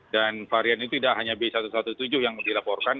dan varian itu tidak hanya b satu ratus tujuh belas yang dilaporkan